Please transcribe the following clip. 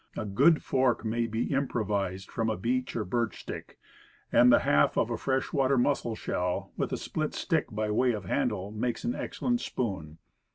A good fork may be impro vised from a beech or birch stick; and the half of a fresh water mussel shell, with a split stick by way of handle, makes an excellent spoon.